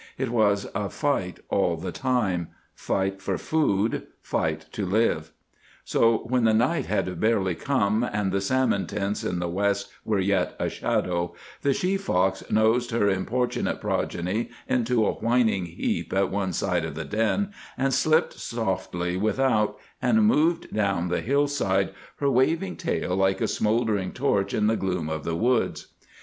It was a fight all the time. Fight for food; fight to live. So when the night had barely come, and the salmon tints in the west were yet a shadow, the she fox nosed her importunate progeny into a whining heap at one side of the den and slipped softly without and moved down the hill side, her waving tail like a smouldering torch in the gloom of the woods.